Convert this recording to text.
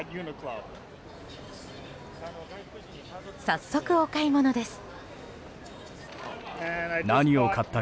早速、お買い物です。